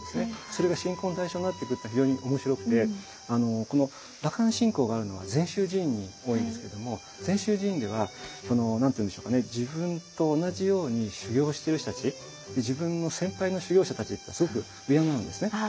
それが信仰の対象になってくるって非常に面白くてこの羅漢信仰があるのは禅宗寺院に多いんですけども禅宗寺院では何て言うんでしょうかね自分と同じように修行している人たち自分の先輩の修行者たちっていうのをすごく敬うんですね。